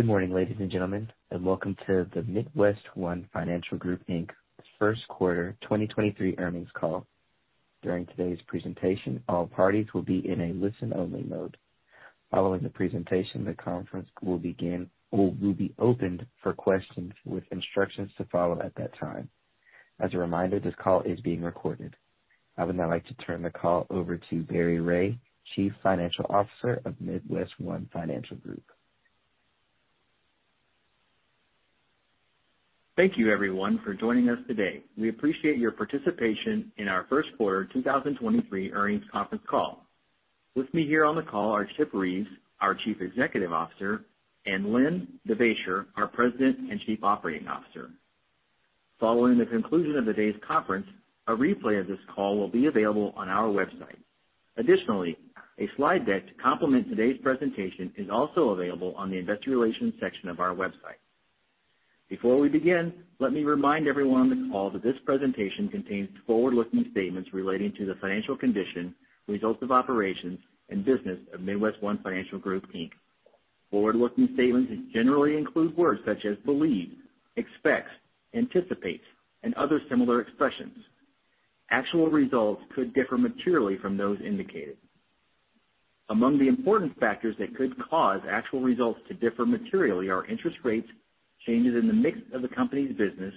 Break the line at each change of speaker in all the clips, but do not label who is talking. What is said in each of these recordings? Good morning, ladies and gentlemen, and welcome to the MidWestOne Financial Group Inc.'s first quarter 2023 earnings call. During today's presentation, all parties will be in a listen-only mode. Following the presentation, the conference will be opened for questions with instructions to follow at that time. As a reminder, this call is being recorded. I would now like to turn the call over to Barry Ray, Chief Financial Officer of MidWestOne Financial Group.
Thank you everyone for joining us today. We appreciate your participation in our first quarter 2023 earnings conference call. With me here on the call are Chip Reeves, our Chief Executive Officer, and Len Devaisher, our President and Chief Operating Officer. Following the conclusion of today's conference, a replay of this call will be available on our website. Additionally, a slide deck to complement today's presentation is also available on the investor relations section of our website. Before we begin, let me remind everyone on the call that this presentation contains forward-looking statements relating to the financial condition, results of operations, and business of MidWestOne Financial Group, Inc. Forward-looking statements generally include words such as believe, expects, anticipates, and other similar expressions. Actual results could differ materially from those indicated. Among the important factors that could cause actual results to differ materially are interest rates, changes in the mix of the company's business,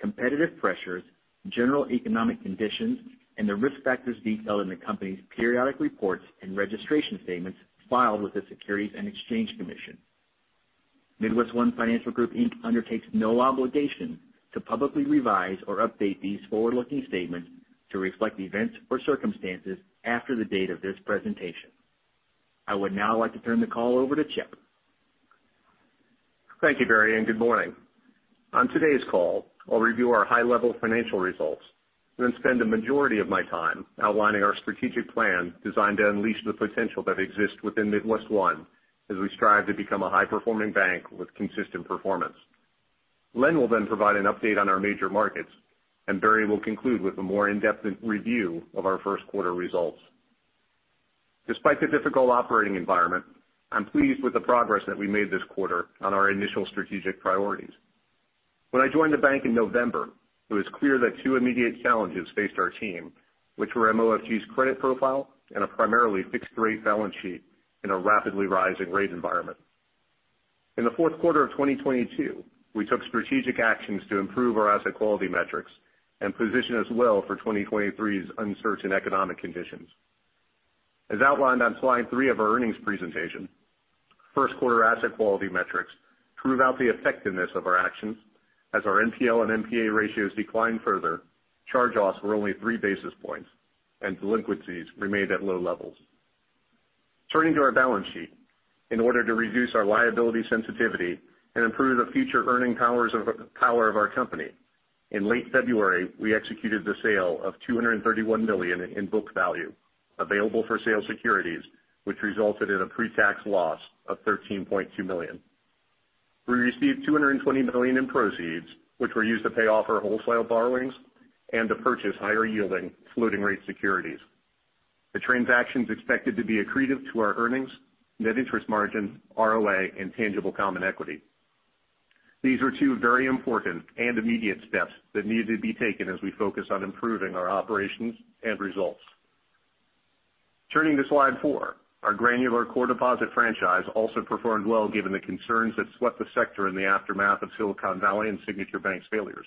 competitive pressures, general economic conditions, and the risk factors detailed in the company's periodic reports and registration statements filed with the Securities and Exchange Commission. MidWestOne Financial Group, Inc. undertakes no obligation to publicly revise or update these forward-looking statements to reflect events or circumstances after the date of this presentation. I would now like to turn the call over to Chip.
Thank you, Barry. Good morning. On today's call, I'll review our high level financial results, then spend the majority of my time outlining our strategic plan designed to unleash the potential that exists within MidWestOne as we strive to become a high-performing bank with consistent performance. Len will then provide an update on our major markets. Barry will conclude with a more in-depth review of our first quarter results. Despite the difficult operating environment, I'm pleased with the progress that we made this quarter on our initial strategic priorities. When I joined the bank in November, it was clear that two immediate challenges faced our team, which were MOFG's credit profile and a primarily fixed rate balance sheet in a rapidly rising rate environment. In the fourth quarter of 2022, we took strategic actions to improve our asset quality metrics and position us well for 2023's uncertain economic conditions. As outlined on slide 3 of our earnings presentation, first quarter asset quality metrics prove out the effectiveness of our actions as our NPL and NPA ratios declined further, charge-offs were only 3 basis points, and delinquencies remained at low levels. Turning to our balance sheet. In order to reduce our liability sensitivity and improve the future earning power of our company, in late February, we executed the sale of $231 million in book value available for sale securities, which resulted in a pre-tax loss of $13.2 million. We received $220 million in proceeds, which were used to pay off our wholesale borrowings and to purchase higher-yielding floating rate securities. The transaction is expected to be accretive to our earnings, net interest margin, ROA, and tangible common equity. These are two very important and immediate steps that needed to be taken as we focus on improving our operations and results. Turning to slide 4. Our granular core deposit franchise also performed well given the concerns that swept the sector in the aftermath of Silicon Valley and Signature Bank's failures.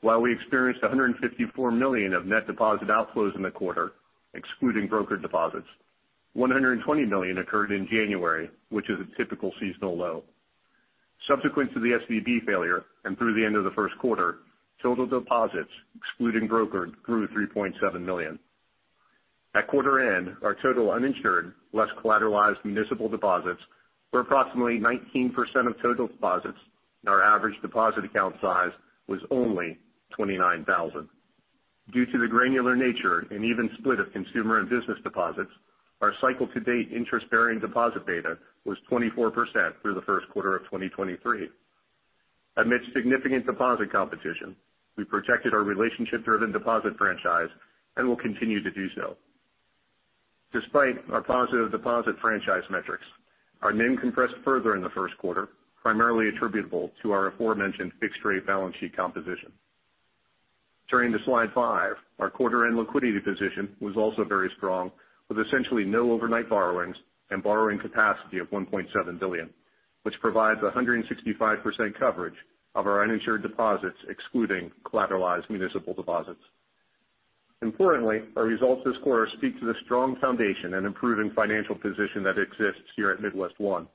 While we experienced $154 million of net deposit outflows in the quarter, excluding broker deposits, $120 million occurred in January, which is a typical seasonal low. Subsequent to the SVB failure, and through the end of the first quarter, total deposits, excluding brokered, grew $3.7 million. At quarter end, our total uninsured, less collateralized municipal deposits, were approximately 19% of total deposits, and our average deposit account size was only $29,000. Due to the granular nature and even split of consumer and business deposits, our cycle to date interest-bearing deposit beta was 24% through the first quarter of 2023. Amidst significant deposit competition, we protected our relationship-driven deposit franchise and will continue to do so. Despite our positive deposit franchise metrics, our NIM compressed further in the first quarter, primarily attributable to our aforementioned fixed rate balance sheet composition. Turning to slide five. Our quarter end liquidity position was also very strong with essentially no overnight borrowings and borrowing capacity of $1.7 billion, which provides 165% coverage of our uninsured deposits, excluding collateralized municipal deposits. Importantly, our results this quarter speak to the strong foundation and improving financial position that exists here at MidWestOne.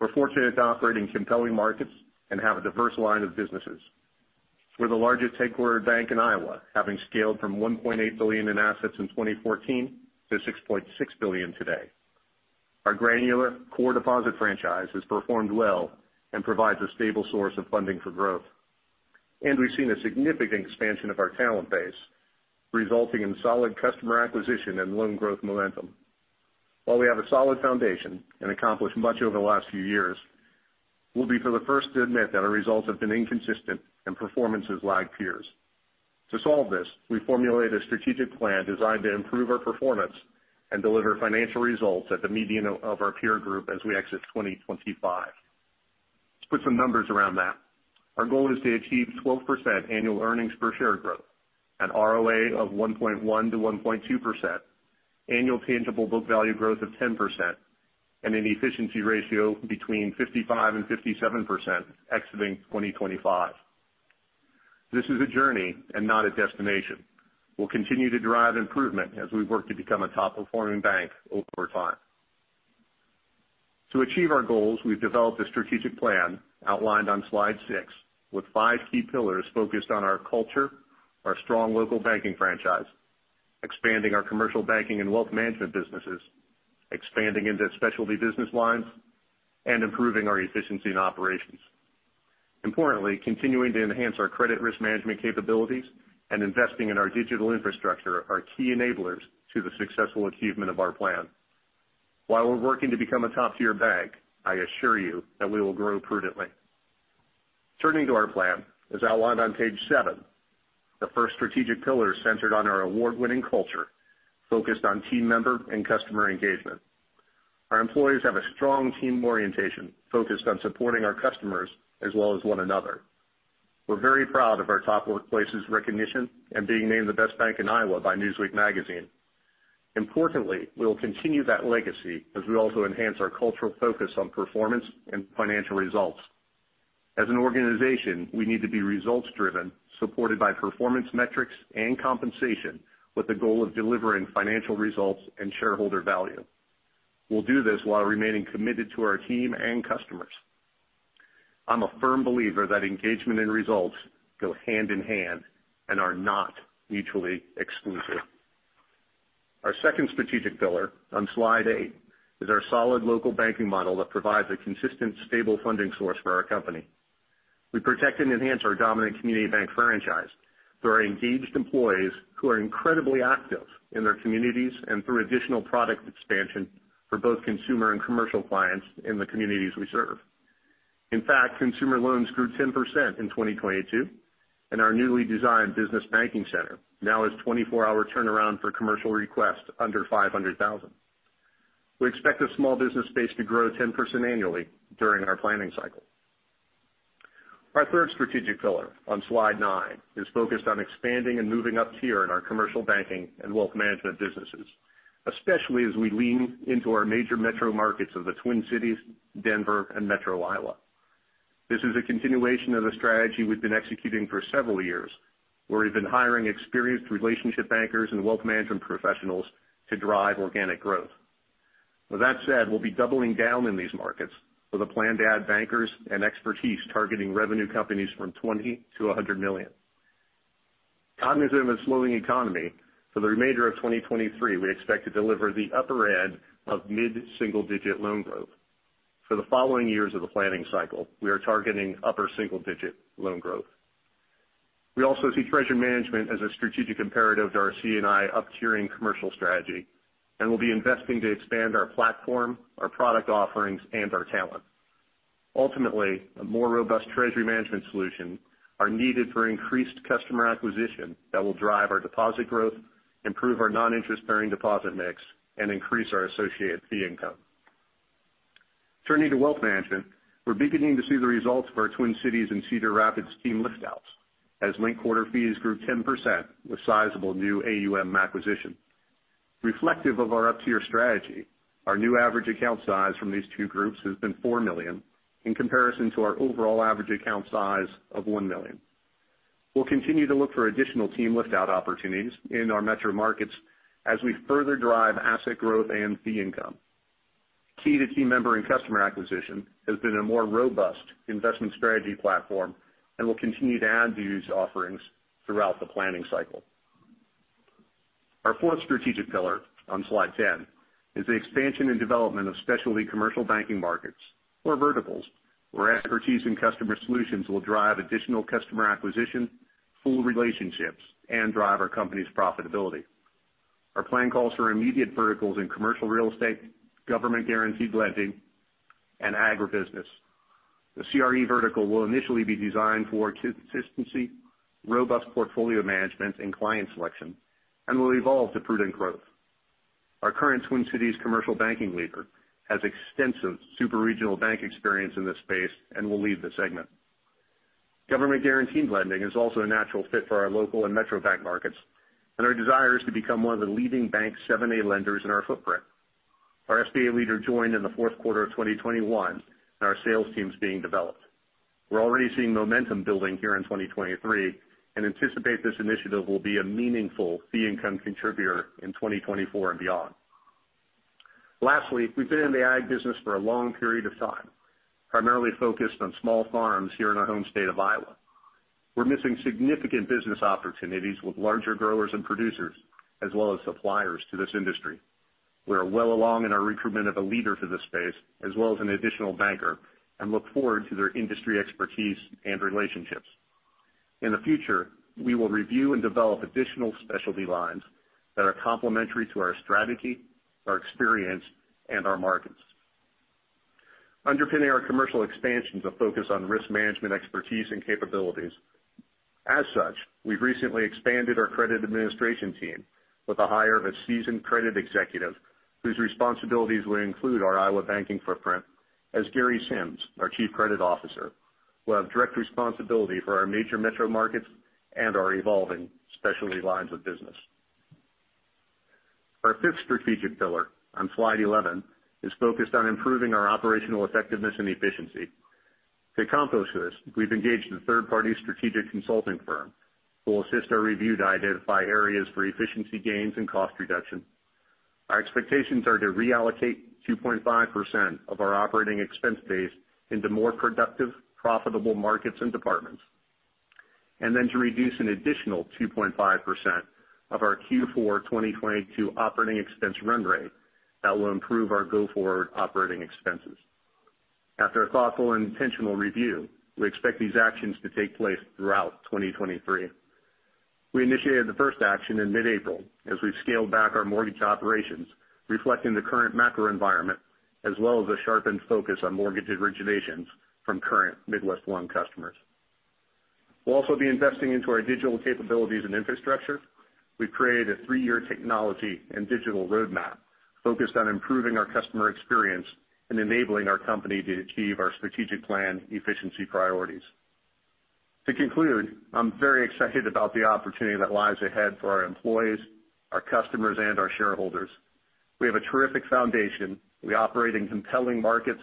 We're fortunate to operate in compelling markets and have a diverse line of businesses. We're the largest headquartered bank in Iowa, having scaled from $1.8 billion in assets in 2014 to $6.6 billion today. Our granular core deposit franchise has performed well and provides a stable source of funding for growth. We've seen a significant expansion of our talent base, resulting in solid customer acquisition and loan growth momentum. While we have a solid foundation and accomplished much over the last few years. We'll be for the first to admit that our results have been inconsistent and performance has lagged peers. To solve this, we formulated a strategic plan designed to improve our performance and deliver financial results at the median of our peer group as we exit 2025. To put some numbers around that, our goal is to achieve 12% annual earnings per share growth, an ROA of 1.1%-1.2%, annual tangible book value growth of 10%, and an efficiency ratio between 55% and 57% exiting 2025. This is a journey and not a destination. We'll continue to drive improvement as we work to become a top-performing bank over time. To achieve our goals, we've developed a strategic plan outlined on slide six with five key pillars focused on our culture, our strong local banking franchise, expanding our commercial banking and wealth management businesses, expanding into specialty business lines, and improving our efficiency and operations. Importantly, continuing to enhance our credit risk management capabilities and investing in our digital infrastructure are key enablers to the successful achievement of our plan. While we're working to become a top-tier bank, I assure you that we will grow prudently. Turning to our plan, as outlined on page seven, the first strategic pillar is centered on our award-winning culture focused on team member and customer engagement. Our employees have a strong team orientation focused on supporting our customers as well as one another. We're very proud of our top workplace's recognition and being named the best bank in Iowa by Newsweek magazine. Importantly, we will continue that legacy as we also enhance our cultural focus on performance and financial results. As an organization, we need to be results-driven, supported by performance metrics and compensation with the goal of delivering financial results and shareholder value. We'll do this while remaining committed to our team and customers. I'm a firm believer that engagement and results go hand in hand and are not mutually exclusive. Our second strategic pillar on slide eight is our solid local banking model that provides a consistent, stable funding source for our company. We protect and enhance our dominant community bank franchise through our engaged employees who are incredibly active in their communities and through additional product expansion for both consumer and commercial clients in the communities we serve. In fact, consumer loans grew 10% in 2022, and our newly designed business banking center now has 24-hour turnaround for commercial requests under $500,000. We expect the small business space to grow 10% annually during our planning cycle. Our third strategic pillar on slide nine is focused on expanding and moving up tier in our commercial banking and wealth management businesses, especially as we lean into our major metro markets of the Twin Cities, Denver and Metro Iowa. This is a continuation of the strategy we've been executing for several years, where we've been hiring experienced relationship bankers and wealth management professionals to drive organic growth. With that said, we'll be doubling down in these markets with a plan to add bankers and expertise targeting revenue companies from $20 million-$100 million. Cognizant of a slowing economy, for the remainder of 2023, we expect to deliver the upper end of mid-single-digit loan growth. For the following years of the planning cycle, we are targeting upper single-digit loan growth. We also see treasury management as a strategic imperative to our C&I up-tiering commercial strategy, and we'll be investing to expand our platform, our product offerings, and our talent. Ultimately, a more robust treasury management solution are needed for increased customer acquisition that will drive our deposit growth, improve our non-interest-bearing deposit mix, and increase our associated fee income. Turning to wealth management, we're beginning to see the results of our Twin Cities and Cedar Rapids team lift-outs as linked-quarter fees grew 10% with sizable new AUM acquisition. Reflective of our up-tier strategy, our new average account size from these two groups has been $4 million in comparison to our overall average account size of $1 million. We'll continue to look for additional team lift-out opportunities in our metro markets as we further drive asset growth and fee income. Key to team member and customer acquisition has been a more robust investment strategy platform, we'll continue to add to these offerings throughout the planning cycle. Our fourth strategic pillar on slide 10 is the expansion and development of specialty commercial banking markets or verticals, where expertise in customer solutions will drive additional customer acquisition, full relationships, and drive our company's profitability. Our plan calls for immediate verticals in commercial real estate, government-guaranteed lending, and agribusiness. The CRE vertical will initially be designed for consistency, robust portfolio management and client selection and will evolve to prudent growth. Our current Twin Cities commercial banking leader has extensive super-regional bank experience in this space and will lead the segment. Government-guaranteed lending is also a natural fit for our local and metro bank markets. Our desire is to become one of the leading bank 7(a) lenders in our footprint. Our SBA leader joined in the fourth quarter of 2021. Our sales team is being developed. We're already seeing momentum building here in 2023 and anticipate this initiative will be a meaningful fee income contributor in 2024 and beyond. We've been in the ag business for a long period of time, primarily focused on small farms here in our home state of Iowa. We're missing significant business opportunities with larger growers and producers as well as suppliers to this industry. We are well along in our recruitment of a leader for this space, as well as an additional banker, and look forward to their industry expertise and relationships. In the future, we will review and develop additional specialty lines that are complementary to our strategy, our experience, and our markets. Underpinning our commercial expansion is a focus on risk management expertise and capabilities. As such, we've recently expanded our credit administration team with the hire of a seasoned credit executive whose responsibilities will include our Iowa banking footprint as Gary Sims, our Chief Credit Officer, will have direct responsibility for our major metro markets and our evolving specialty lines of business. Our fifth strategic pillar on slide 11 is focused on improving our operational effectiveness and efficiency. To accomplish this, we've engaged a third-party strategic consulting firm who will assist our review to identify areas for efficiency gains and cost reduction. Our expectations are to reallocate 2.5% of our operating expense base into more productive, profitable markets and departments, and then to reduce an additional 2.5% of our Q4 2022 operating expense run rate that will improve our go-forward operating expenses. After a thoughtful and intentional review, we expect these actions to take place throughout 2023. We initiated the first action in mid-April as we've scaled back our mortgage operations, reflecting the current macro environment as well as a sharpened focus on mortgage originations from current MidWestOne customers. We'll also be investing into our digital capabilities and infrastructure. We've created a three-year technology and digital roadmap focused on improving our customer experience and enabling our company to achieve our strategic plan efficiency priorities. To conclude, I'm very excited about the opportunity that lies ahead for our employees, our customers, and our shareholders. We have a terrific foundation. We operate in compelling markets,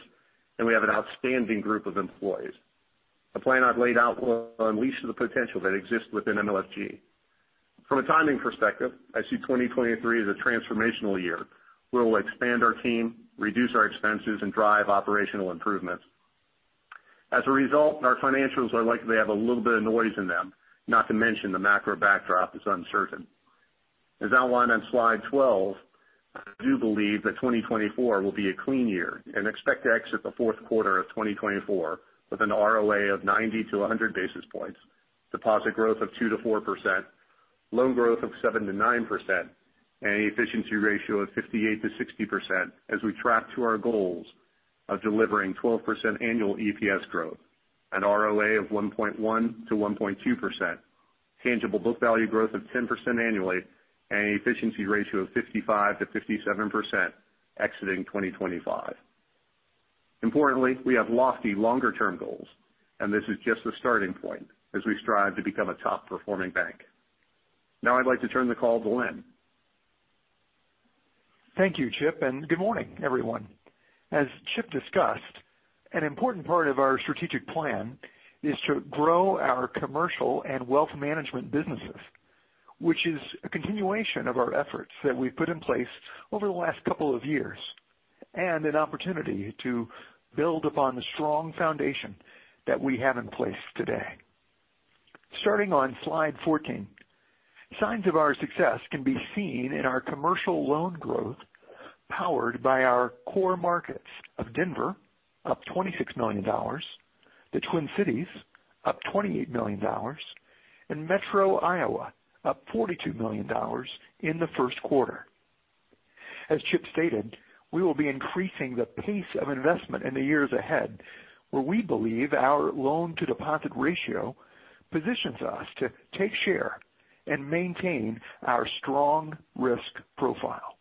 and we have an outstanding group of employees. The plan I've laid out will unleash the potential that exists within MOFG. From a timing perspective, I see 2023 as a transformational year where we'll expand our team, reduce our expenses, and drive operational improvements. As a result, our financials are likely to have a little bit of noise in them. Not to mention the macro backdrop is uncertain. As outlined on slide 12, I do believe that 2024 will be a clean year and expect to exit the fourth quarter of 2024 with an ROA of 90-100 basis points, deposit growth of 2%-4%, loan growth of 7%-9%, and an efficiency ratio of 58%-60% as we track to our goals of delivering 12% annual EPS growth, an ROA of 1.1%-1.2%, tangible book value growth of 10% annually, and an efficiency ratio of 55%-57% exiting 2025. Importantly, we have lofty longer-term goals and this is just the starting point as we strive to become a top-performing bank. Now I'd like to turn the call to Len.
Thank you, Chip. Good morning, everyone. As Chip discussed, an important part of our strategic plan is to grow our commercial and wealth management businesses, which is a continuation of our efforts that we've put in place over the last couple of years, and an opportunity to build upon the strong foundation that we have in place today. Starting on slide 14. Signs of our success can be seen in our commercial loan growth, powered by our core markets of Denver, up $26 million, the Twin Cities, up $28 million, and Metro Iowa, up $42 million in the first quarter. As Chip stated, we will be increasing the pace of investment in the years ahead, where we believe our loan-to-deposit ratio positions us to take share and maintain our strong risk profile.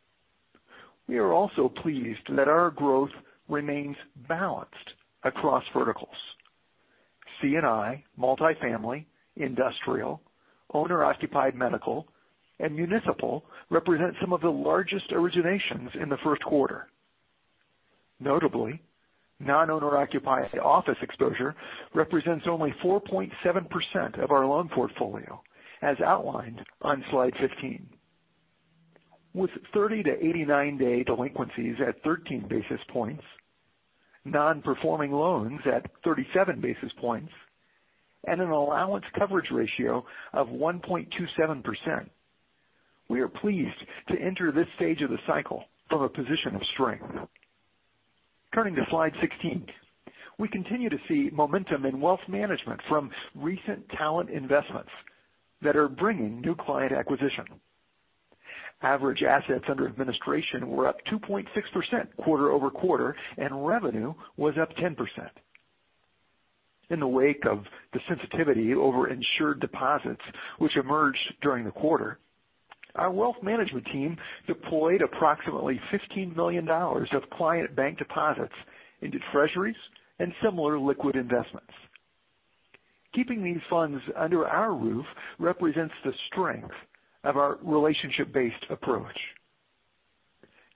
We are also pleased that our growth remains balanced across verticals. C&I, multifamily, industrial, owner-occupied medical, and municipal represent some of the largest originations in the first quarter. Notably, non-owner-occupied office exposure represents only 4.7% of our loan portfolio, as outlined on slide 15. With 30-89 day delinquencies at 13 basis points, non-performing loans at 37 basis points, and an allowance coverage ratio of 1.27%, we are pleased to enter this stage of the cycle from a position of strength. Turning to slide 16. We continue to see momentum in wealth management from recent talent investments that are bringing new client acquisition. Average assets under administration were up 2.6% quarter-over-quarter, and revenue was up 10%. In the wake of the sensitivity over insured deposits which emerged during the quarter, our wealth management team deployed approximately $15 million of client bank deposits into Treasuries and similar liquid investments. Keeping these funds under our roof represents the strength of our relationship-based approach.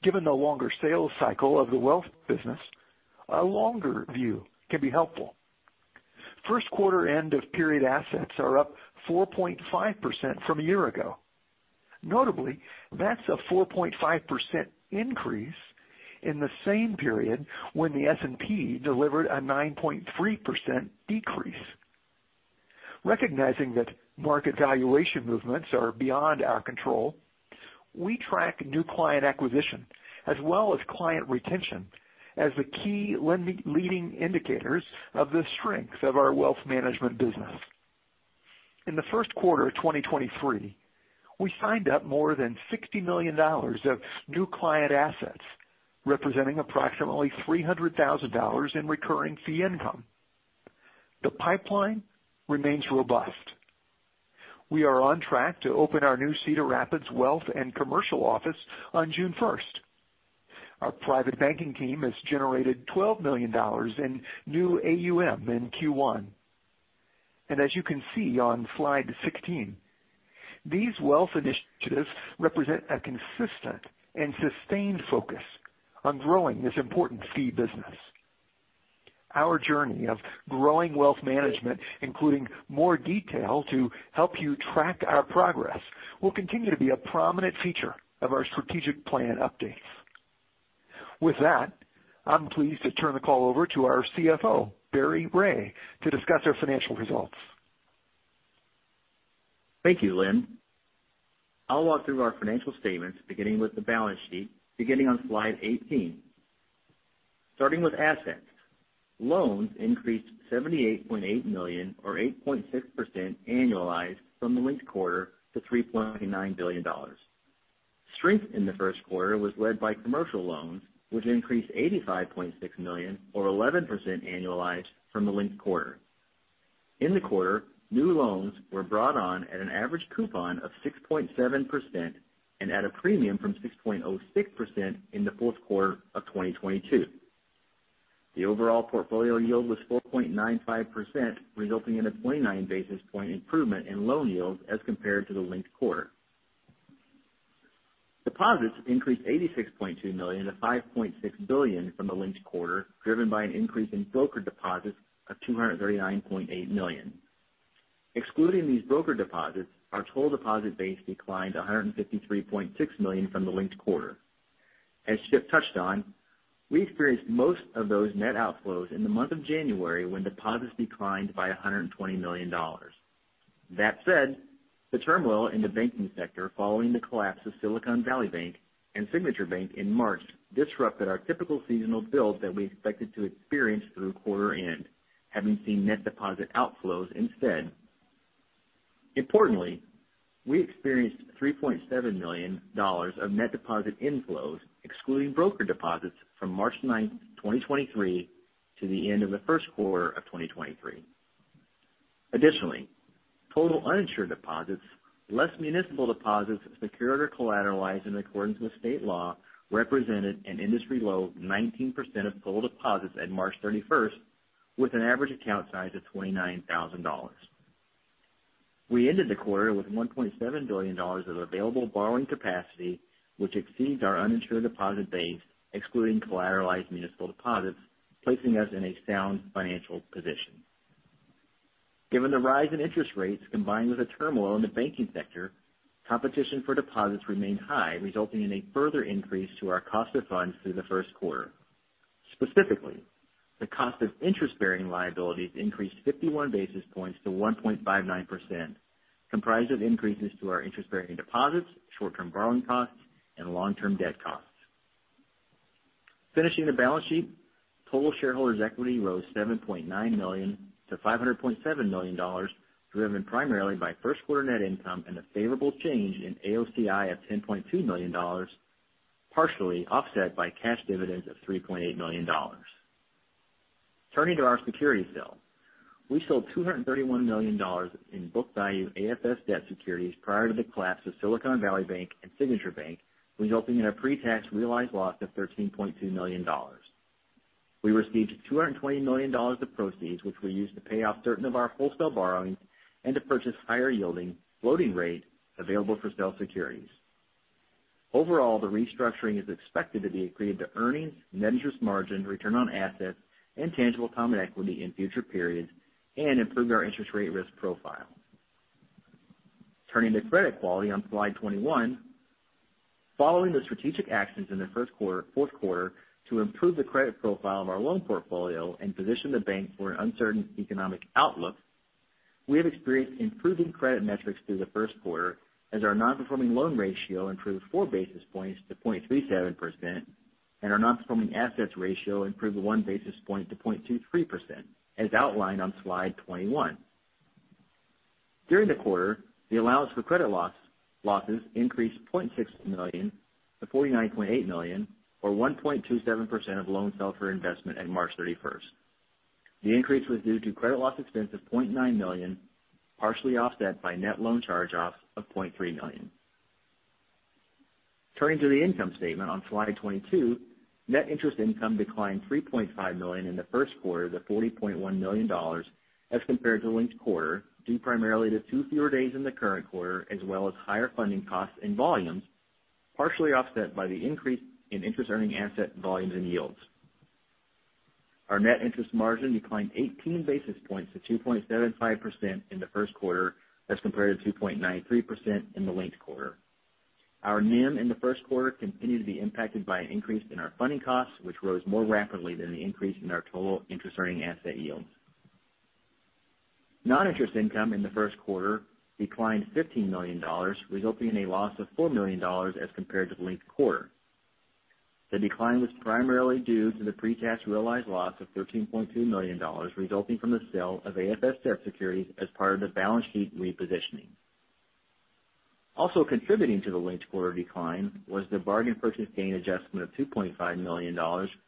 Given the longer sales cycle of the wealth business, a longer view can be helpful. First quarter end of period assets are up 4.5% from a year ago. Notably, that's a 4.5% increase in the same period when the S&P delivered a 9.3% decrease. Recognizing that market valuation movements are beyond our control. We track new client acquisition as well as client retention as the key leading indicators of the strength of our wealth management business. In the first quarter of 2023, we signed up more than $60 million of new client assets, representing approximately $300,000 in recurring fee income. The pipeline remains robust. We are on track to open our new Cedar Rapids wealth and commercial office on June 1st. Our private banking team has generated $12 million in new AUM in Q1. As you can see on slide 16, these wealth initiatives represent a consistent and sustained focus on growing this important fee business. Our journey of growing wealth management, including more detail to help you track our progress, will continue to be a prominent feature of our strategic plan updates. With that, I'm pleased to turn the call over to our CFO, Barry Ray, to discuss our financial results.
Thank you, Len. I'll walk through our financial statements beginning with the balance sheet beginning on slide 18. Starting with assets. Loans increased $78.8 million or 8.6% annualized from the linked quarter to $3.9 billion. Strength in the first quarter was led by commercial loans, which increased $85.6 million or 11% annualized from the linked quarter. In the quarter, new loans were brought on at an average coupon of 6.7% and at a premium from 6.06% in the fourth quarter of 2022. The overall portfolio yield was 4.95%, resulting in a 29 basis point improvement in loan yields as compared to the linked quarter. Deposits increased $86.2 million to $5.6 billion from the linked quarter, driven by an increase in broker deposits of $239.8 million. Excluding these broker deposits, our total deposit base declined $153.6 million from the linked quarter. As Chip touched on, we experienced most of those net outflows in the month of January when deposits declined by $120 million. The turmoil in the banking sector following the collapse of Silicon Valley Bank and Signature Bank in March disrupted our typical seasonal build that we expected to experience through quarter end. Having seen net deposit outflows instead. Importantly, we experienced $3.7 million of net deposit inflows excluding broker deposits from March 9th, 2023 to the end of the first quarter of 2023. Additionally, total uninsured deposits less municipal deposits secured or collateralized in accordance with state law represented an industry low 19% of total deposits at March 31st, with an average account size of $29,000. We ended the quarter with $1.7 billion of available borrowing capacity, which exceeds our uninsured deposit base, excluding collateralized municipal deposits, placing us in a sound financial position. Given the rise in interest rates, combined with the turmoil in the banking sector, competition for deposits remained high, resulting in a further increase to our cost of funds through the first quarter. Specifically, the cost of interest-bearing liabilities increased 51 basis points to 1.59%, comprised of increases to our interest-bearing deposits, short-term borrowing costs and long-term debt costs. Finishing the balance sheet, total shareholders equity rose $7.9 million to $500.7 million, driven primarily by first quarter net income and a favorable change in AOCI of $10.2 million, partially offset by cash dividends of $3.8 million. Turning to our securities sale. We sold $231 million in book value AFS debt securities prior to the collapse of Silicon Valley Bank and Signature Bank, resulting in a pre-tax realized loss of $13.2 million. We received $220 million of proceeds, which we used to pay off certain of our wholesale borrowings and to purchase higher yielding floating rate available for sale securities. Overall, the restructuring is expected to be accretive to earnings, net interest margin, return on assets and tangible common equity in future periods and improve our interest rate risk profile. Turning to credit quality on slide 21. Following the strategic actions in the fourth quarter to improve the credit profile of our loan portfolio and position the bank for an uncertain economic outlook, we have experienced improving credit metrics through the first quarter as our non-performing loan ratio improved 4 basis points to 0.37% and our non-performing assets ratio improved 1 basis point to 0.23% as outlined on slide 21. During the quarter, the allowance for credit losses increased $0.6 million to $49.8 million or 1.27% of loans held for investment at March 31st. The increase was due to credit loss expense of $0.9 million, partially offset by net loan charge-offs of $0.3 million. Turning to the income statement on slide 22. Net interest income declined $3.5 million in the first quarter to $40.1 million as compared to linked quarter, due primarily to two fewer days in the current quarter as well as higher funding costs and volumes, partially offset by the increase in interest earning asset volumes and yields. Our net interest margin declined 18 basis points to 2.75% in the first quarter as compared to 2.93% in the linked quarter. Our NIM in the first quarter continued to be impacted by an increase in our funding costs, which rose more rapidly than the increase in our total interest earning asset yield. Non-interest income in the first quarter declined $15 million, resulting in a loss of $4 million as compared to the linked quarter. The decline was primarily due to the pre-tax realized loss of $13.2 million, resulting from the sale of AFS debt securities as part of the balance sheet repositioning. Also contributing to the linked quarter decline was the bargain purchase gain adjustment of $2.5 million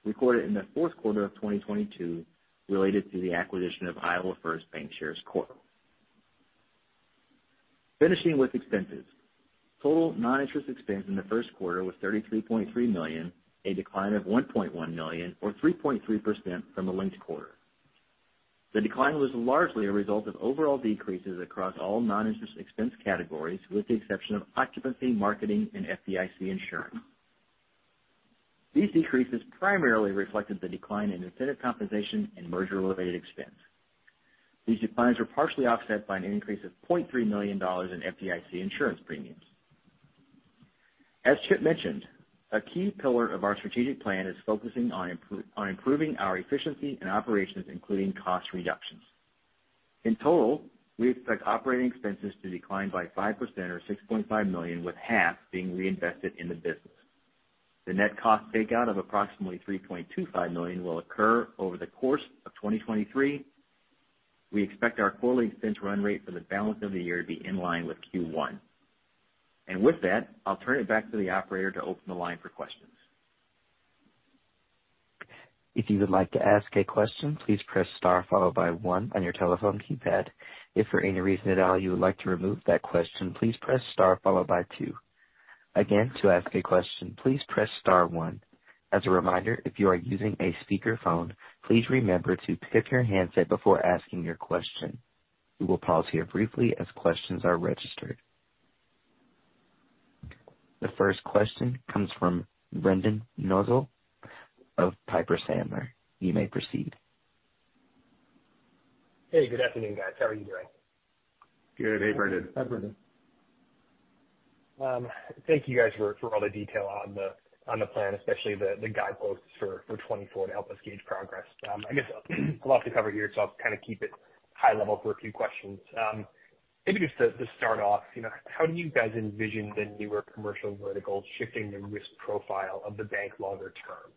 recorded in the fourth quarter of 2022 related to the acquisition of Iowa First Bancshares Corp. Finishing with expenses. Total non-interest expense in the first quarter was $33.3 million, a decline of $1.1 million or 3.3% from the linked quarter. The decline was largely a result of overall decreases across all non-interest expense categories with the exception of occupancy, marketing and FDIC insurance. These decreases primarily reflected the decline in incentive compensation and merger-related expense. These declines were partially offset by an increase of $0.3 million in FDIC insurance premiums. As Chip mentioned, a key pillar of our strategic plan is focusing on improving our efficiency and operations, including cost reductions. In total, we expect operating expenses to decline by 5% or $6.5 million, with half being reinvested in the business. The net cost takeout of approximately $3.25 million will occur over the course of 2023. We expect our quarterly expense run rate for the balance of the year to be in line with Q1. With that, I'll turn it back to the operator to open the line for questions.
If you would like to ask a question, please press star followed by one on your telephone keypad. If for any reason at all you would like to remove that question, please press star followed by two. Again, to ask a question, please press star one. As a reminder, if you are using a speakerphone, please remember to pick up your handset before asking your question. We will pause here briefly as questions are registered. The first question comes from Brendan Nosal of Piper Sandler. You may proceed.
Hey, good afternoon, guys. How are you doing?
Good. Hey, Brendan.
Hi, Brendan.
Thank you guys for all the detail on the plan, especially the guideposts for 2024 to help us gauge progress. I guess a lot to cover here, so I'll kind of keep it high level for a few questions. Maybe just to start off, you know, how do you guys envision the newer commercial verticals shifting the risk profile of the bank longer term?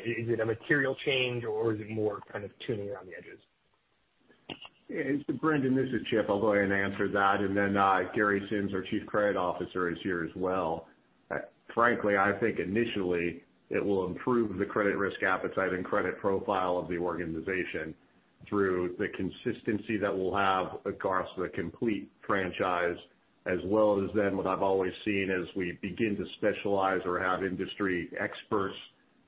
Is it a material change or is it more kind of tuning around the edges?
It's Brendan, this is Chip. I'll go ahead and answer that. Then Gary Sims, our Chief Credit Officer is here as well. Frankly, I think initially it will improve the credit risk appetite and credit profile of the organization through the consistency that we'll have across the complete franchise as well as then what I've always seen as we begin to specialize or have industry experts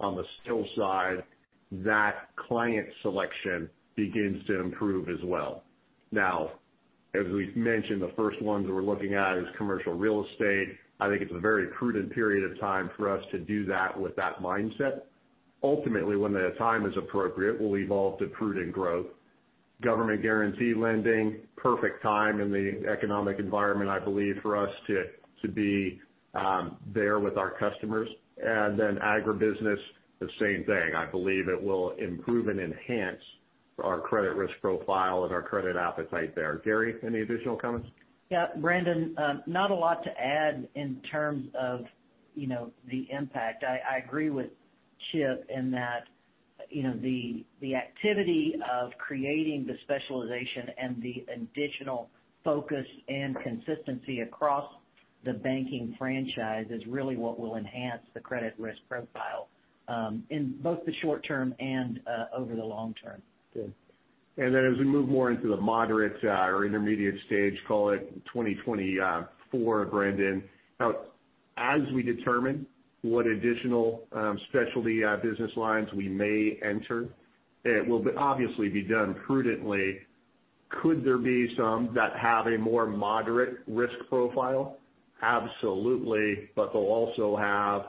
on the skill side, that client selection begins to improve as well. As we've mentioned, the first ones that we're looking at is commercial real estate. I think it's a very prudent period of time for us to do that with that mindset. Ultimately, when the time is appropriate, we'll evolve to prudent growth. Government-guaranteed lending, perfect time in the economic environment, I believe, for us to be there with our customers. Agribusiness, the same thing. I believe it will improve and enhance our credit risk profile and our credit appetite there. Gary, any additional comments?
Yeah. Brendan, not a lot to add in terms of, you know, the impact. I agree with Chip in that, you know, the activity of creating the specialization and the additional focus and consistency across the banking franchise is really what will enhance the credit risk profile, in both the short term and over the long term.
As we move more into the moderate or intermediate stage, call it 2024, Brendan Nosal, as we determine what additional specialty business lines we may enter, it will obviously be done prudently. Could there be some that have a more moderate risk profile? Absolutely. They'll also have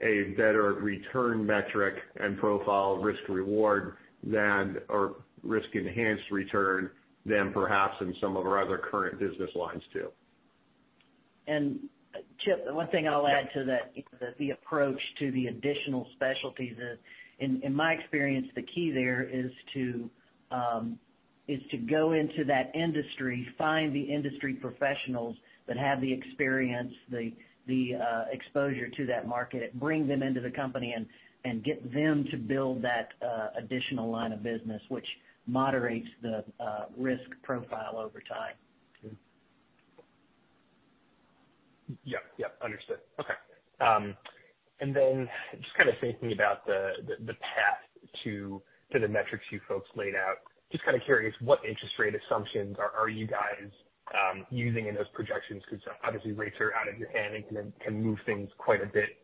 a better return metric and profile risk reward than or risk enhanced return than perhaps in some of our other current business lines too.
Chip, one thing I'll add to that, the approach to the additional specialties is, in my experience, the key there is to go into that industry, find the industry professionals that have the experience, the exposure to that market, bring them into the company and get them to build that additional line of business which moderates the risk profile over time.
Yeah.
Yep. Yep. Understood. Okay. Just kind of thinking about the path to the metrics you folks laid out. Just kind of curious, what interest rate assumptions are you guys using in those projections? Because obviously rates are out of your hand and can move things quite a bit.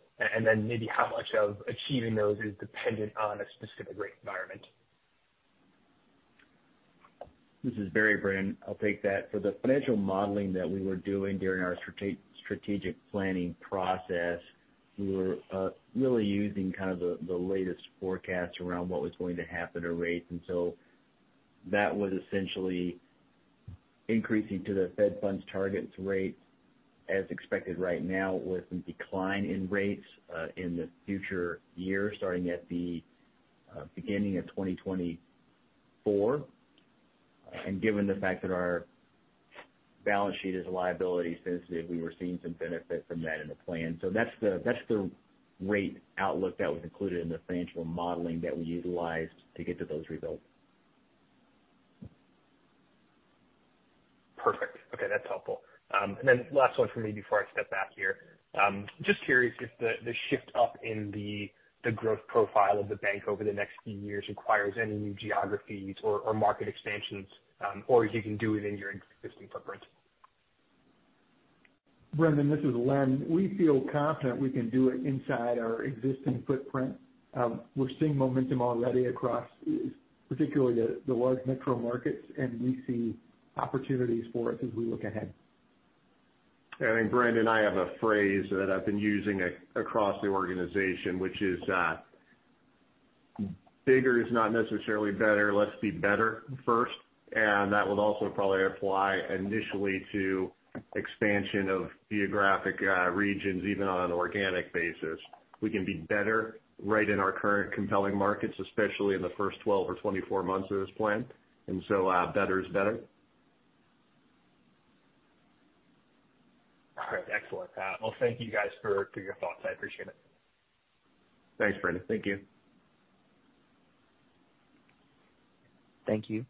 Maybe how much of achieving those is dependent on a specific rate environment.
This is Barry, Brendan. I'll take that. For the financial modeling that we were doing during our strategic planning process, we were really using kind of the latest forecast around what was going to happen to rates. That was essentially increasing to the Fed funds targets rate. As expected right now with some decline in rates, in the future years, starting at the beginning of 2024. Given the fact that our balance sheet is liability sensitive, we were seeing some benefit from that in the plan. That's the rate outlook that was included in the financial modeling that we utilized to get to those results.
Perfect. Okay, that's helpful. Last one for me before I step back here. Just curious if the shift up in the growth profile of the bank over the next few years requires any new geographies or market expansions, or you can do it in your existing footprint?
Brendan, this is Len. We feel confident we can do it inside our existing footprint. We're seeing momentum already across particularly the large metro markets, and we see opportunities for it as we look ahead.
I think, Brendan, I have a phrase that I've been using across the organization, which is, bigger is not necessarily better. Let's be better first. That would also probably apply initially to expansion of geographic regions, even on an organic basis. We can be better right in our current compelling markets, especially in the first 12 months or 24 months of this plan. Better is better.
All right. Excellent. Well, thank you guys for your thoughts. I appreciate it.
Thanks, Brendan. Thank you.
Thank you.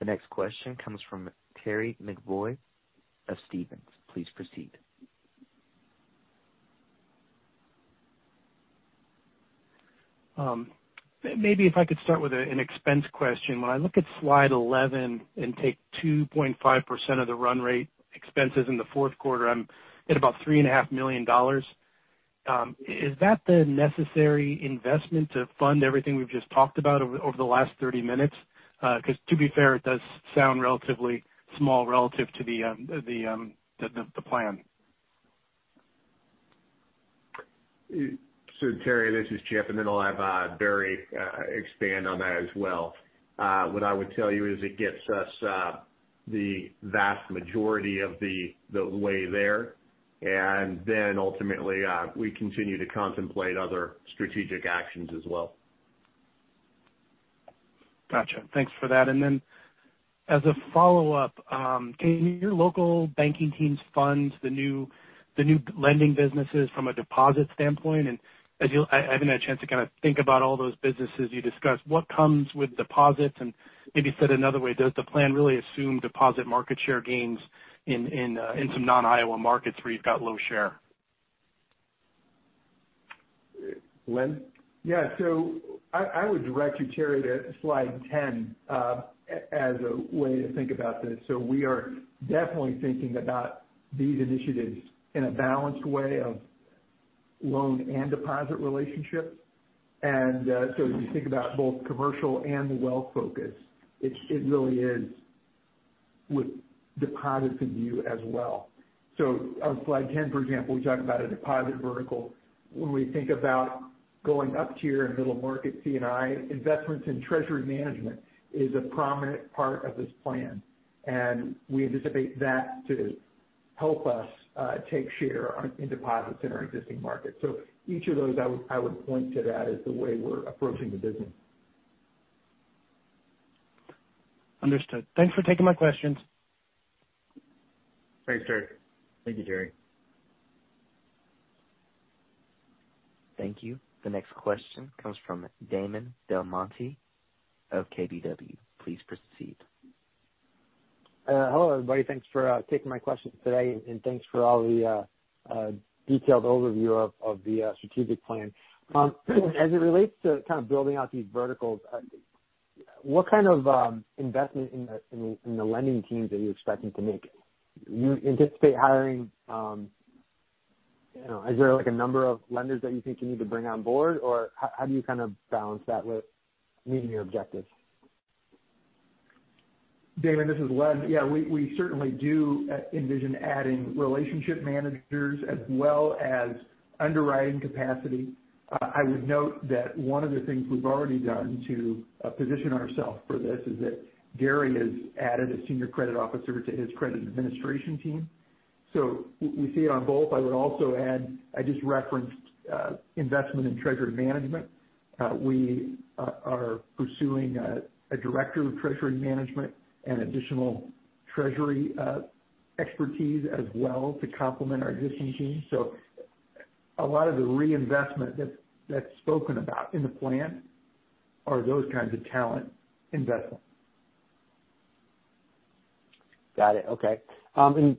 The next question comes from Terry McEvoy of Stephens. Please proceed.
Maybe if I could start with an expense question. When I look at slide 11 and take 2.5% of the run rate expenses in the fourth quarter, I'm at about $3.5 million. Is that the necessary investment to fund everything we've just talked about over the last 30 minutes? Because to be fair, it does sound relatively small relative to the plan.
Terry, this is Chip, and then I'll have Barry expand on that as well. What I would tell you is it gets us the vast majority of the way there, and then ultimately, we continue to contemplate other strategic actions as well.
Gotcha. Thanks for that. As a follow-up, can your local banking teams fund the new lending businesses from a deposit standpoint? I haven't had a chance to kind of think about all those businesses you discussed. What comes with deposits? Maybe said another way, does the plan really assume deposit market share gains in some non-Iowa markets where you've got low share?
Len?
I would direct you, Terry, to slide 10 as a way to think about this. We are definitely thinking about these initiatives in a balanced way of loan and deposit relationship. If you think about both commercial and the wealth focus, it really is with deposit in view as well. On slide 10, for example, we talked about a deposit vertical. When we think about going up to your middle market C&I, investments in treasury management is a prominent part of this plan, and we anticipate that to help us take share in deposits in our existing markets. Each of those, I would point to that as the way we're approaching the business.
Understood. Thanks for taking my questions.
Thanks, Terry.
Thank you, Terry.
Thank you. The next question comes from Damon DelMonte of KBW. Please proceed.
Hello, everybody. Thanks for taking my questions today, and thanks for all the detailed overview of the strategic plan. As it relates to kind of building out these verticals, what kind of investment in the lending teams are you expecting to make? You anticipate hiring, you know, is there like a number of lenders that you think you need to bring on board, or how do you kind of balance that with meeting your objectives?
Damon, this is Len. Yeah, we certainly do envision adding relationship managers as well as underwriting capacity. I would note that one of the things we've already done to position ourselves for this is that Gary has added a senior credit officer to his credit administration team. We see it on both. I would also add, I just referenced investment in treasury management. We are pursuing a director of treasury management and additional treasury expertise as well to complement our existing team. A lot of the reinvestment that's spoken about in the plan are those kinds of talent investments.
Got it. Okay. Then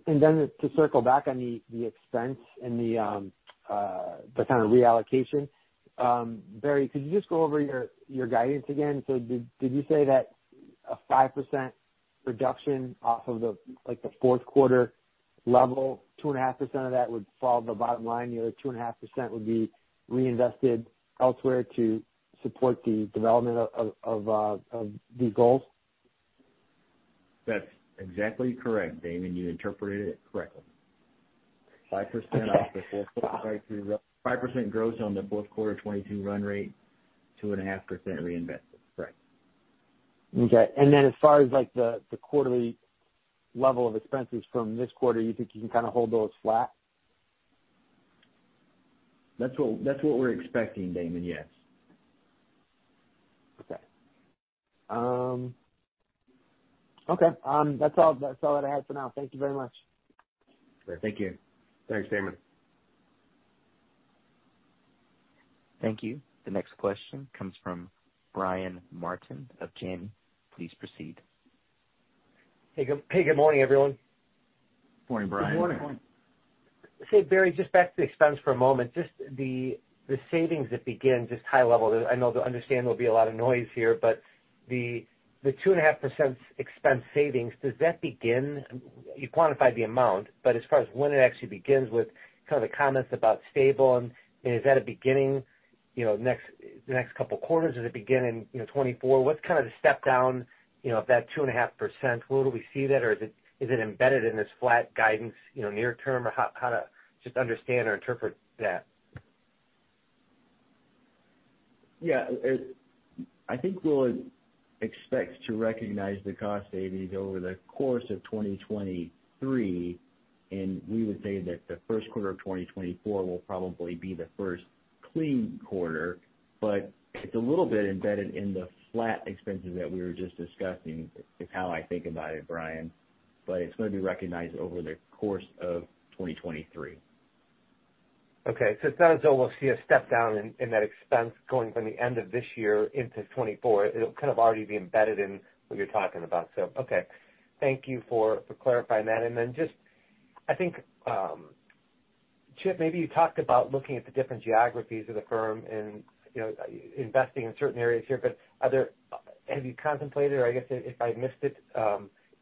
to circle back on the expense and the kind of reallocation, Barry, could you just go over your guidance again? Did you say that a 5% reduction off of the, like, the fourth quarter level, 2.5% of that would fall to the bottom line, the other 2.5% would be reinvested elsewhere to support the development of these goals?
That's exactly correct, Damon. You interpreted it correctly. 5% off the fourth quarter. 5% grows on the fourth quarter 22 run rate, 2.5% reinvested. Correct.
Okay. As far as like the quarterly level of expenses from this quarter, you think you can kind of hold those flat?
That's what we're expecting, Damon. Yes.
Okay. Okay. That's all that I had for now. Thank you very much.
Thank you.
Thanks, Damon.
Thank you. The next question comes from Brian Martin of Janney. Please proceed.
Hey, good morning, everyone.
Morning, Brian.
Good morning.
Barry, just back to the expense for a moment. Just the savings that begin, just high level, I know to understand there'll be a lot of noise here, but the 2.5% expense savings, does that begin? You quantified the amount, but as far as when it actually begins with kind of the comments about stable and is that a beginning, you know, the next couple of quarters? Does it begin in, you know, 2024? What's kind of the step down, you know, of that 2.5%? Where do we see that? Or is it embedded in this flat guidance, you know, near term? Or how to just understand or interpret that?
Yeah. It, I think we'll expect to recognize the cost savings over the course of 2023, and we would say that the first quarter of 2024 will probably be the first clean quarter, but it's a little bit embedded in the flat expenses that we were just discussing is how I think about it, Brian, but it's going to be recognized over the course of 2023.
Okay. It sounds as though we'll see a step down in that expense going from the end of this year into 2024. It'll kind of already be embedded in what you're talking about. Okay. Thank you for clarifying that. Just I think, Chip, maybe you talked about looking at the different geographies of the firm and, you know, investing in certain areas here. Have you contemplated, or I guess if I missed it,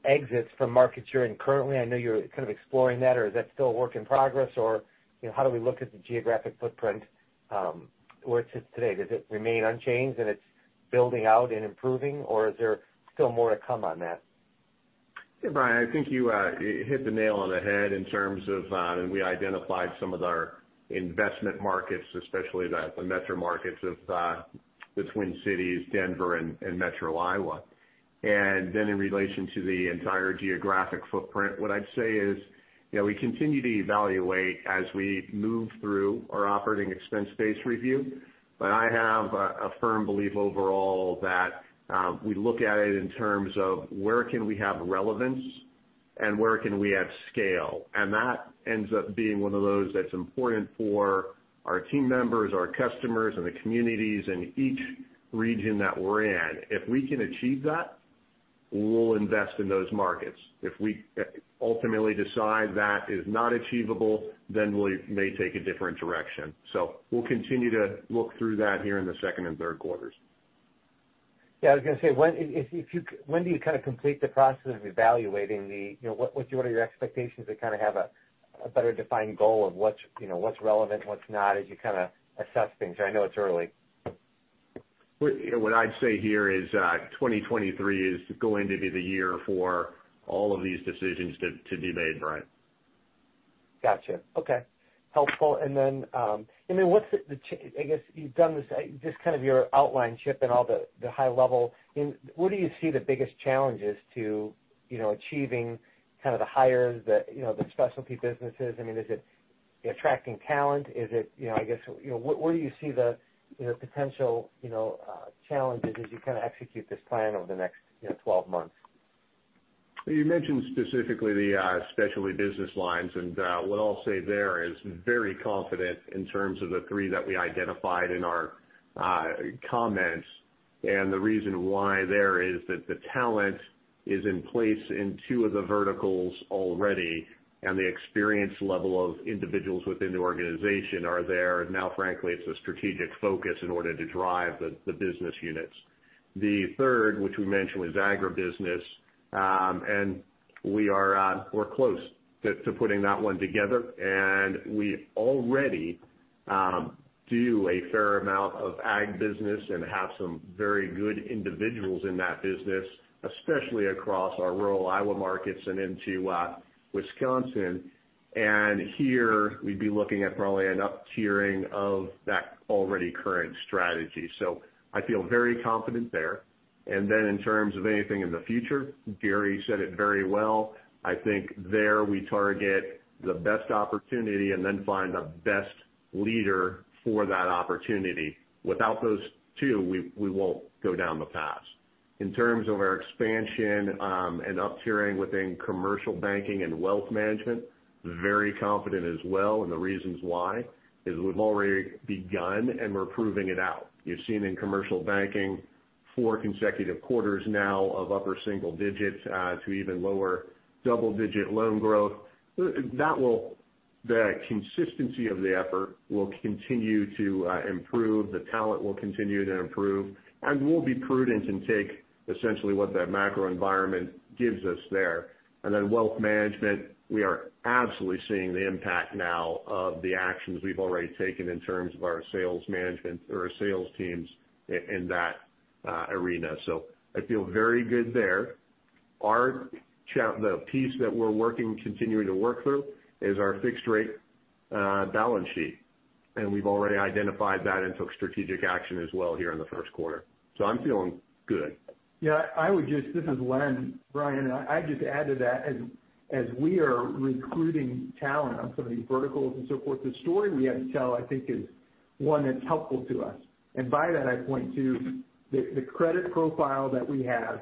exits from markets you're in currently? I know you're kind of exploring that. Is that still a work in progress? You know, how do we look at the geographic footprint, where it sits today? Does it remain unchanged and it's building out and improving, or is there still more to come on that?
Yeah, Brian, I think you hit the nail on the head in terms of, and we identified some of our investment markets, especially the metro markets of the Twin Cities, Denver, and Metro Iowa. Then in relation to the entire geographic footprint, what I'd say is, you know, we continue to evaluate as we move through our operating expense base review. I have a firm belief overall that we look at it in terms of where can we have relevance and where can we add scale. That ends up being one of those that's important for our team members, our customers, and the communities in each region that we're in. If we can achieve that, we'll invest in those markets. If we ultimately decide that is not achievable, then we may take a different direction. We'll continue to look through that here in the second and third quarters.
Yeah. I was gonna say, when do you kind of complete the process of evaluating the, you know, what are your expectations to kind of have a better defined goal of what's, you know, what's relevant, what's not, as you kind of assess things? I know it's early.
What, you know, what I'd say here is, 2023 is going to be the year for all of these decisions to be made, Brian.
Gotcha. Okay. Helpful. I mean, what's I guess you've done this, just kind of your outline, Chip, and all the high level. Where do you see the biggest challenges to, you know, achieving kind of the higher the, you know, the specialty businesses? I mean, is it attracting talent? Is it, you know, I guess, you know, where do you see the, you know, potential, challenges as you kind of execute this plan over the next, you know, 12 months?
You mentioned specifically the specialty business lines. What I'll say there is very confident in terms of the three that we identified in our comments. The reason why there is that the talent is in place in two of the verticals already and the experience level of individuals within the organization are there. Frankly, it's a strategic focus in order to drive the business units. The third, which we mentioned, was agribusiness. We are, we're close to putting that one together. We already do a fair amount of ag business and have some very good individuals in that business, especially across our rural Iowa markets and into Wisconsin. Here we'd be looking at probably an up-tiering of that already current strategy. I feel very confident there. In terms of anything in the future, Gary Sims said it very well. I think there we target the best opportunity and then find the best leader for that opportunity. Without those two, we won't go down the path. In terms of our expansion, and up-tiering within commercial banking and wealth management, very confident as well. The reasons why is we've already begun, and we're proving it out. You've seen in commercial banking 4 consecutive quarters now of upper single digits to even lower double-digit loan growth. That will the consistency of the effort will continue to improve, the talent will continue to improve, and we'll be prudent and take essentially what that macro environment gives us there. Wealth management, we are absolutely seeing the impact now of the actions we've already taken in terms of our sales management or our sales teams in that arena. I feel very good there. The piece that we're working, continuing to work through is our fixed rate balance sheet, and we've already identified that and took strategic action as well here in the first quarter. I'm feeling good.
Yeah, this is Len. Brian, I'd just add to that, as we are recruiting talent on some of these verticals and so forth, the story we have to tell, I think, is one that's helpful to us. By that I point to the credit profile that we have,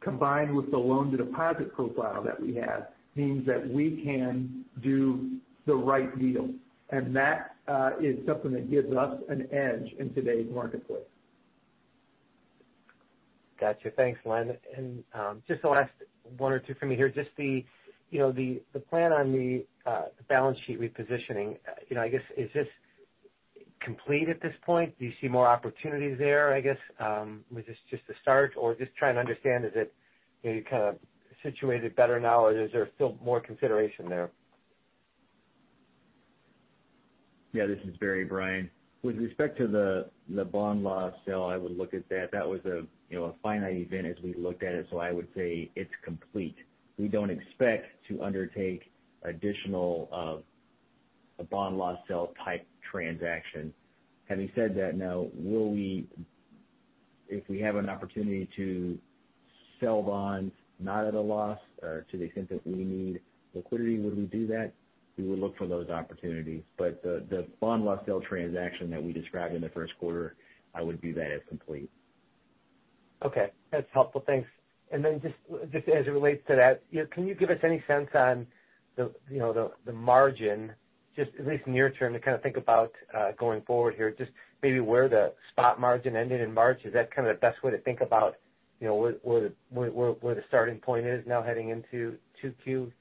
combined with the loan to deposit profile that we have, means that we can do the right deal. That is something that gives us an edge in today's marketplace.
Gotcha. Thanks, Len. Just the last one or two for me here. Just the, you know, the plan on the balance sheet repositioning. You know, I guess, is this complete at this point? Do you see more opportunities there, I guess? Was this just the start? Or just trying to understand, is it, you know, kind of situated better now, or is there still more consideration there?
Yeah, this is Barry, Brian. With respect to the bond loss sale, I would look at that. That was a, you know, a finite event as we looked at it. I would say it's complete. We don't expect to undertake additional bond loss sale type transaction. Having said that, now, if we have an opportunity to sell bonds not at a loss, to the extent that we need liquidity, would we do that? We would look for those opportunities, but the bond loss sale transaction that we described in the first quarter, I would view that as complete.
Okay. That's helpful. Thanks. Just, just as it relates to that, you know, can you give us any sense on the, you know, the margin just at least near term to kind of think about, going forward here, just maybe where the spot margin ended in March. Is that kind of the best way to think about, you know, where the starting point is now heading into 2Q,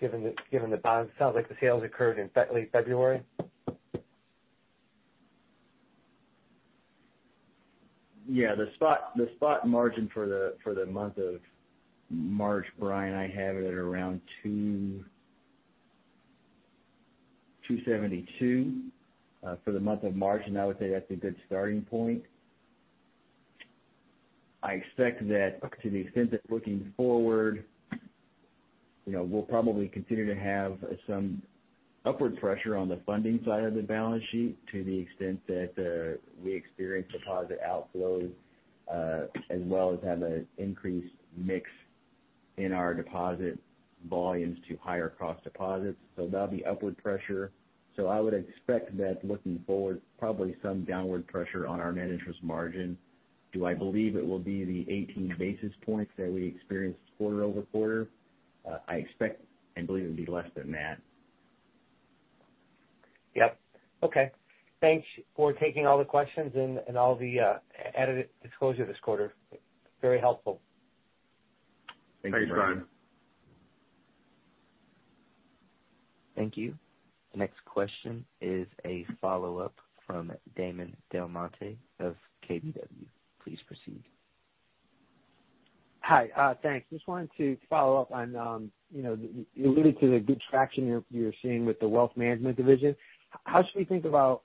given the bonds? Sounds like the sales occurred in late February.
The spot margin for the month of March, Brian, I have it at around 2.72% for the month of March, I would say that's a good starting point. I expect that to the extent that looking forward, you know, we'll probably continue to have some upward pressure on the funding side of the balance sheet to the extent that we experience deposit outflows, as well as have an increased mix in our deposit volumes to higher cost deposits. That'll be upward pressure. I would expect that looking forward, probably some downward pressure on our net interest margin. Do I believe it will be the 18 basis points that we experienced quarter-over-quarter? I expect and believe it'll be less than that.
Yep. Okay. Thanks for taking all the questions and all the edited disclosure this quarter. Very helpful.
Thanks, Brian.
Thanks, Brian.
Thank you. The next question is a follow-up from Damon DelMonte of KBW. Please proceed.
Hi. Thanks. Just wanted to follow up on, you know, you alluded to the good traction you're seeing with the wealth management division. How should we think about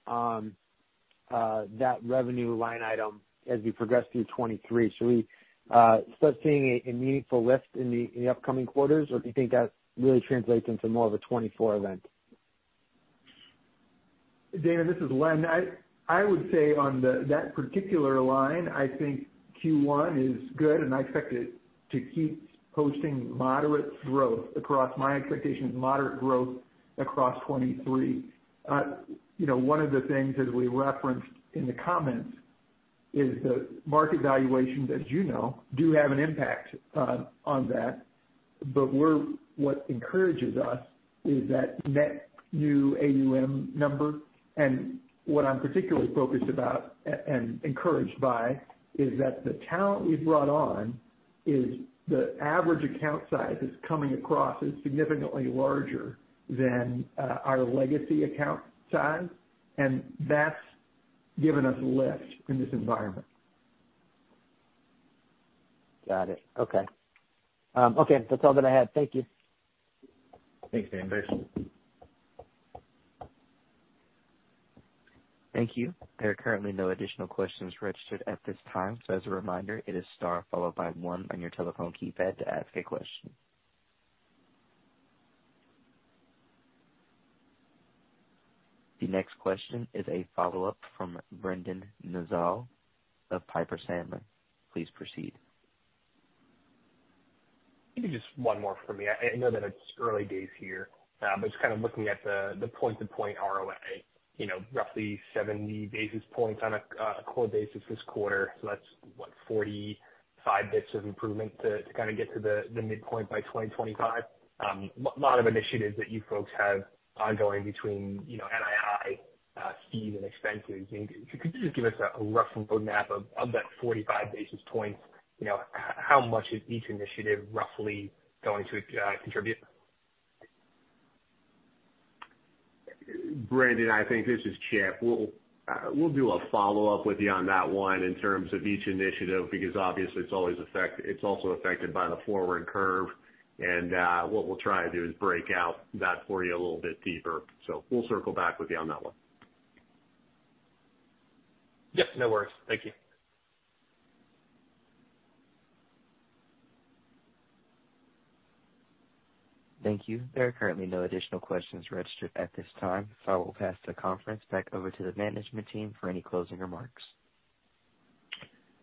that revenue line item as we progress through 2023? Should we start seeing a meaningful lift in the upcoming quarters, or do you think that really translates into more of a 2024 event?
Damon, this is Len. I would say on that particular line, I think Q1 is good, and I expect it to keep posting moderate growth across my expectation is moderate growth across 2023. you know, one of the things, as we referenced in the comments, is that market valuations, as you know, do have an impact on that. What encourages us is that net new AUM number. What I'm particularly focused about and encouraged by is that the talent we've brought on is the average account size that's coming across is significantly larger than our legacy account size, and that's given us lift in this environment.
Got it. Okay. Okay. That's all that I had. Thank you.
Thanks, Damon.
Thank you. There are currently no additional questions registered at this time. As a reminder, it is star followed by one on your telephone keypad to ask a question. The next question is a follow-up from Brendan Nosal of Piper Sandler. Please proceed.
Maybe just one more for me. I know that it's early days here, but just kind of looking at the point-to-point ROA, you know, roughly 70 basis points on a core basis this quarter, so that's what, 45 bits of improvement to kind of get to the midpoint by 2025. Lot of initiatives that you folks have ongoing between, you know, NII, fee and expenses. Could you just give us a rough roadmap of that 45 basis points, you know, how much is each initiative roughly going to contribute?
Brendan, I think this is Chip. We'll, we'll do a follow-up with you on that one in terms of each initiative, because obviously it's always affected by the forward curve. What we'll try to do is break out that for you a little bit deeper. We'll circle back with you on that one.
Yep, no worries. Thank you.
Thank you. There are currently no additional questions registered at this time. I will pass the conference back over to the management team for any closing remarks.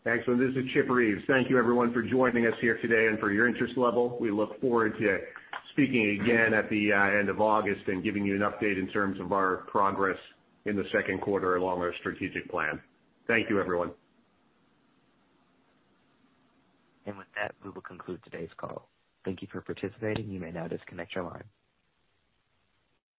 Thanks. This is Chip Reeves. Thank you everyone for joining us here today and for your interest level. We look forward to speaking again at the end of August and giving you an update in terms of our progress in the second quarter along our strategic plan. Thank you, everyone.
With that, we will conclude today's call. Thank you for participating. You may now disconnect your line.